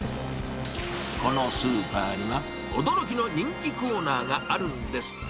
このスーパーには驚きの人気コーナーがあるんです。